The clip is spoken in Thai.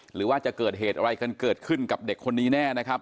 หรือว่าจะเกิดเหตุอะไรกันเกิดขึ้นกับเด็กคนนี้แน่นะครับ